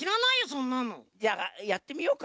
そんなの。じゃやってみようか。